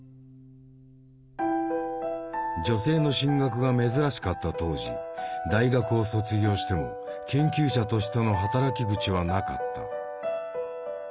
女性の進学が珍しかった当時大学を卒業しても研究者としての働き口はなかった。